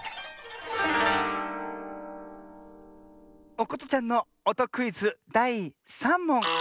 おことちゃんのおとクイズだい３もん。